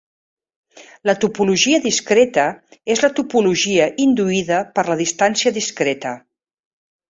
La topologia discreta és la topologia induïda per la distància discreta.